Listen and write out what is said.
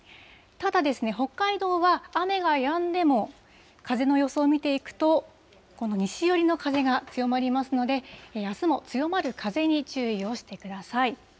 ただ、北海道は雨がやんでも、風の予想を見ていくと、この西寄りの風が強まりますので、あすも強まる風に注意をしてください。